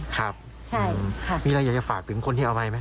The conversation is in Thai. ครับใช่มีอะไรอยากจะฝากถึงคนที่เอาไหม